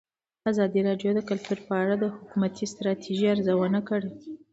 ازادي راډیو د کلتور په اړه د حکومتي ستراتیژۍ ارزونه کړې.